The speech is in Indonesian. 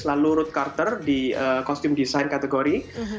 lalu ruth carter di costume design kategori